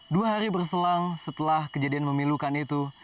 dua hari berselang setelah kejadian memilukan itu